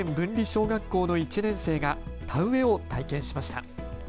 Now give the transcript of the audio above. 小学校の１年生が田植えを体験しました。